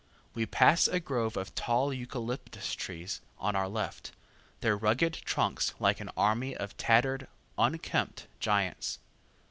We pass a grove of tall eucalyptus trees on our left, their rugged trunks like an army of tattered, unkempt giants.